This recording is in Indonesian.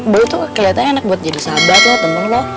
boy tuh kelihatannya enak buat jadi sahabat loh temen lo